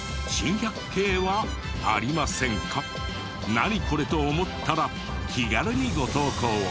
「ナニコレ？」と思ったら気軽にご投稿を。